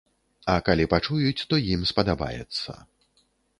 А калі пачуюць, то ім спадабаецца.